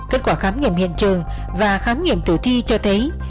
kết quả khám nghiệm hiện trường và khám nghiệm tử thi cho thấy